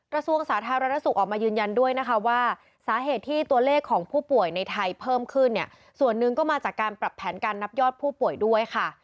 กระทรวงสาธารณสุขออกมายืนยันด้วยนะคะว่าสาเหตุที่ตัวเลขของผู้ป่วยในไทยเพิ่มขึ้นเนี่ยส่วนหนึ่งก็มาจากการปรับแผนการนับยอดผู้ป่วยด้วยค่ะ